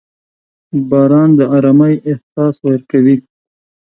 • باران د ارامۍ احساس ورکوي.